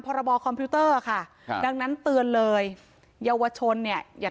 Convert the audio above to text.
พรบคอมพิวเตอร์ค่ะครับดังนั้นเตือนเลยเยาวชนเนี่ยอย่า